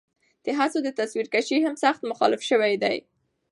د هڅو د تصويرکشۍ هم سخت مخالفت شوے دے